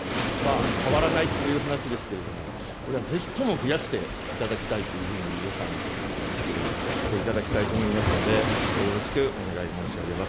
変わらないっていう話ですけれども、これはぜひとも増やしていただきたいというふうに、予算ですけれども、いただきたいと思いますので、よろしくお願い申し上げます。